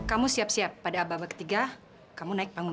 anak samban memang oke banget